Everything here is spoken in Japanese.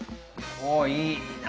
おいいな。